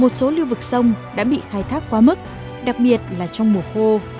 một số lưu vực sông đã bị khai thác quá mức đặc biệt là trong mùa khô